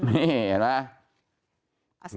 เนี่ยเห็นหรอ